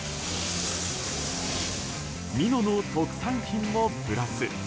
美濃の特産品もプラス。